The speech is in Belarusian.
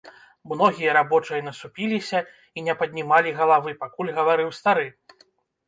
Многія рабочыя насупіліся і не паднімалі галавы, пакуль гаварыў стары.